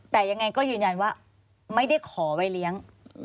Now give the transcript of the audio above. แต่ยังไงก็ยืนยันว่าไม่ได้ขอไว้เลี้ยง